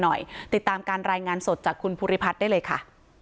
ติดตามการรายงานสดจากคุณภูริพัฒน์ได้เลยค่ะ